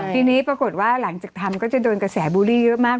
ทีนี้ปรากฏว่าหลังจากทำก็จะโดนกระแสบูลลี่เยอะมาก